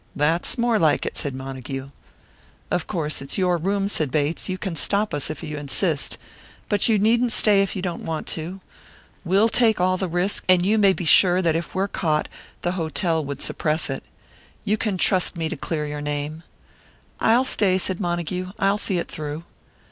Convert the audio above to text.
"That's more like it," said Montague. "Of course, it's your room," said Bates. "You can stop us, if you insist. But you needn't stay if you don't want to. We'll take all the risk; and you may be sure that if we were caught, the hotel would suppress it. You can trust me to clear your name " "I'll stay," said Montague. "I'll see it through."